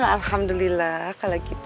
alhamdulillah kalau gitu